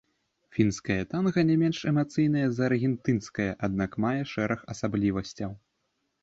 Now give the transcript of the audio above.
Фінскае танга не менш эмацыйнае за аргентынскае, аднак мае шэраг асаблівасцяў.